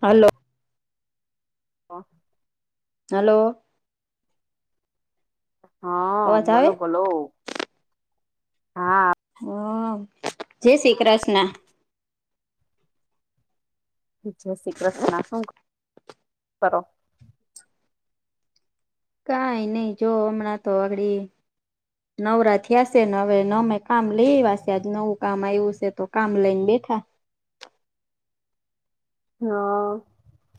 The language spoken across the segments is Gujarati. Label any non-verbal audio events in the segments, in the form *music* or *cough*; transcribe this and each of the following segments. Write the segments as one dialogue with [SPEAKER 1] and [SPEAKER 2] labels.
[SPEAKER 1] હાલો.
[SPEAKER 2] *unintelligible*
[SPEAKER 1] હલો.
[SPEAKER 2] હા,
[SPEAKER 1] અવાજ
[SPEAKER 2] બોલો,
[SPEAKER 1] આવે
[SPEAKER 2] બોલો, હા.
[SPEAKER 1] હ, જય શ્રી કૃષ્ણ.
[SPEAKER 2] જય શ્રી કૃષ્ણ, શું કરો?
[SPEAKER 1] કઈ નહી, જો હમણાં તો આગડી નવરા થયા ને, હવે મે કામ લઈ આવ્યા શે, આજ નવું કામ આવ્યું છે, તો કામ લઈને બેઠા.
[SPEAKER 2] હા.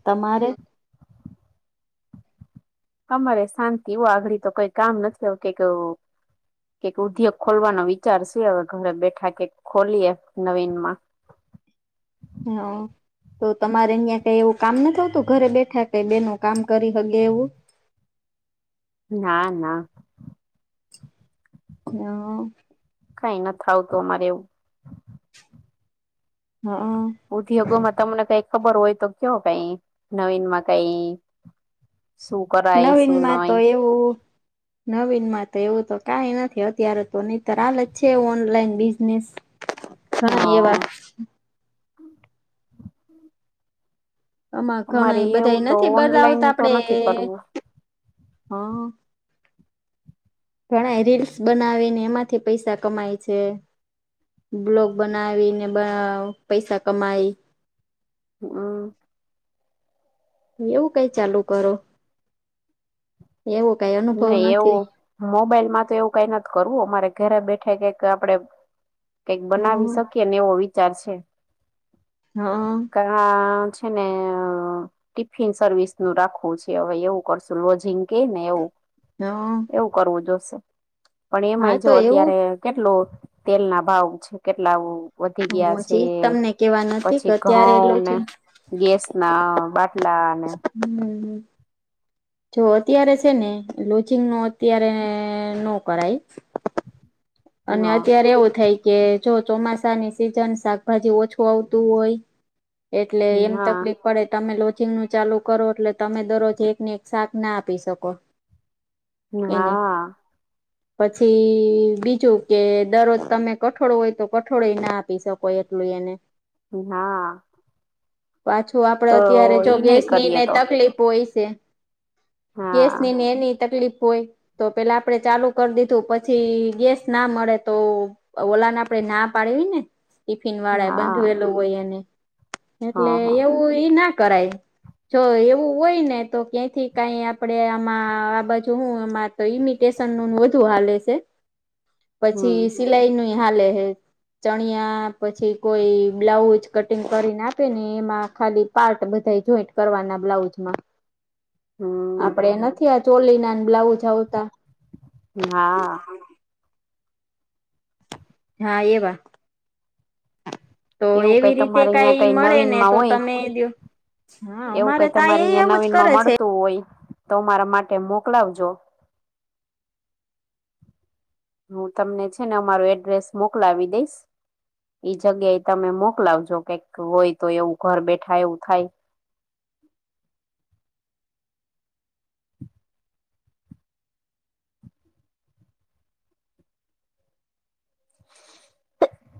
[SPEAKER 1] તમારે?
[SPEAKER 2] અમારે શાંતિ આઘળી તો કઈ કામ નથી આવું કે. કાક ઉદ્યોગ ખોલવાનો વિચાર છે, હવે ઘરે બેઠા કેક ખોલીએ નવીન માં.
[SPEAKER 1] હમ્મ. તો તમારે અહીં કઈ એવું કામ નથી આવતું ઘરે બેઠા કઈ, બેનું કામ કરી હગે એવું.
[SPEAKER 2] ના, ના.
[SPEAKER 1] હા.
[SPEAKER 2] કઈ નથી આવતું, અમારે એવું.
[SPEAKER 1] હા.
[SPEAKER 2] ઉધોગોમાં તમને કઈ ખબર હોય તો, કયો કઈ નવીન માં કઈ? શું? કરાય
[SPEAKER 1] નવીન
[SPEAKER 2] શું
[SPEAKER 1] માં તો
[SPEAKER 2] નહી
[SPEAKER 1] એવું નવીન માં તો એવું તો કાંઈ નથી અત્યારે તો નીતર હાલે જ છે ઓનલાઈન બિઝનેસ ઘણા એવા
[SPEAKER 2] હા
[SPEAKER 1] અમાં
[SPEAKER 2] અમારે
[SPEAKER 1] ઘણાંય
[SPEAKER 2] એવું
[SPEAKER 1] બધાય
[SPEAKER 2] તો
[SPEAKER 1] નથી
[SPEAKER 2] ઓનલાઈન
[SPEAKER 1] બનાવતા
[SPEAKER 2] તો
[SPEAKER 1] આપડે
[SPEAKER 2] નથી કરવું
[SPEAKER 1] હાં ઘણાય રીલ્સ બનાવીને એમાંથી પૈસા કમાય છે. બ્લોગ બનાવી ને બ પૈસા કમાઈ
[SPEAKER 2] હમ્મ
[SPEAKER 1] એવું કંઈ ચાલુ કરો એવું કાંઇ *unintelligible*
[SPEAKER 2] નઈ એવું મોબાઈલમાં તો એવું કાંઈ નથી કરવું અમારે ઘરે બેઠાય કાંઈક આપડે કકઈક બનાવી
[SPEAKER 1] હા
[SPEAKER 2] શકીએ ને એવો વિચાર છે.
[SPEAKER 1] હં
[SPEAKER 2] પર હા છે ને અ ટિફિન સર્વિસનું રાખવું છે હવે એવું કરશું લોઝિંગ કેય ને એવું
[SPEAKER 1] હં
[SPEAKER 2] એવુ કરવું જોશે પણ એમાંય જો
[SPEAKER 1] તો એવું
[SPEAKER 2] અત્યારે કેટલો તેલના ભાવ છે કેટલા ઉ વધી ગયા
[SPEAKER 1] હું
[SPEAKER 2] છે
[SPEAKER 1] હજી તમને કેવા નથી કે
[SPEAKER 2] પછી
[SPEAKER 1] અત્યારે
[SPEAKER 2] ઘઉં
[SPEAKER 1] એટલું
[SPEAKER 2] ને
[SPEAKER 1] છે
[SPEAKER 2] ગેસના બાટલા અને
[SPEAKER 1] હમ્મ જો અત્યારે છે ને લોજિંગનું અત્યારે નો કરાય અને
[SPEAKER 2] હા
[SPEAKER 1] અત્યારે એવું થાય કે જો ચોમાસાની સિજન શાકભાજી ઓછું આવતું હોય એટલે એમ
[SPEAKER 2] હા
[SPEAKER 1] તકલીફ પડે તમે લોજિંગનું ચાલુ કરો એટલે તમે દરરોજ એકને એક શાક ના આપી શકો એને
[SPEAKER 2] હા
[SPEAKER 1] પછી બી જુ કે દરરોજ તમે કઠોળ હોય તો કઠોળેય ના આપી શકો એટલું યેને
[SPEAKER 2] હા
[SPEAKER 1] પાછું આપડે
[SPEAKER 2] તો
[SPEAKER 1] અત્યારે જો
[SPEAKER 2] ઈ નહી
[SPEAKER 1] ગેસની
[SPEAKER 2] કરીએ
[SPEAKER 1] ને
[SPEAKER 2] તો
[SPEAKER 1] તકલીફ હોય સે
[SPEAKER 2] હા
[SPEAKER 1] ગેસની ને એની તકલીફ હોય તો પેલા આપડે ચાલુ કરી દીધું પછી ગેસ ના મળે તો ઓલાને આપડે ના પાડવી ને ટિફિન વાળાએ
[SPEAKER 2] હા
[SPEAKER 1] બંધવેલું હોય એને એટલે
[SPEAKER 2] હા હા
[SPEAKER 1] એવું ઈના કરાય જો એવું હોય ને તો ક્યાંથી કાંઈ આપણેે આમાં આ બાજુ હું એમાં તો ઇમિટેશનનું વધુ હાલે છે
[SPEAKER 2] હમ
[SPEAKER 1] પછી સિલાઈનું ય હાલે હે ચણિયા પછી કોઈ બ્લાઉજ કટિંગ કરીને આપે ને એમાં ખાલી પાર્ટ બધાય જોઈન્ટ કરવાના બ્લાઉઝમાં
[SPEAKER 2] હમ
[SPEAKER 1] આપડે નથી આ ચોલીના ન બ્લાઉજ આવતા
[SPEAKER 2] હા
[SPEAKER 1] હા એવા તો
[SPEAKER 2] એવું
[SPEAKER 1] એવી
[SPEAKER 2] કંઈ
[SPEAKER 1] રીતે
[SPEAKER 2] તમારે અઈયા
[SPEAKER 1] કઈ
[SPEAKER 2] કંઈ
[SPEAKER 1] મળે ને
[SPEAKER 2] નવીનમાં
[SPEAKER 1] તો
[SPEAKER 2] ઓય
[SPEAKER 1] તમે દયો. હા
[SPEAKER 2] એવું
[SPEAKER 1] અમારે
[SPEAKER 2] કંઈ
[SPEAKER 1] તા એ
[SPEAKER 2] તમારી અઈયા
[SPEAKER 1] એવું જ
[SPEAKER 2] નવીનમાં
[SPEAKER 1] કરે છે
[SPEAKER 2] મળતું હોય તો મારા માટે મોકલાવજો હું તમને છે ને અમારુ એડ્રેસ મોકલાવી દઈશ ઈ જગ્યા એ તમે મોકલાવજો કે ક હોય કંઈ એવું ઘર બેઠા એવું થાય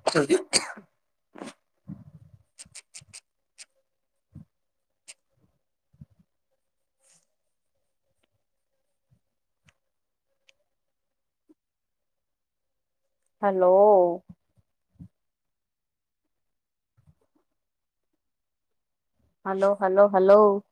[SPEAKER 2] *unintelligible* હલો હલો હલો હલો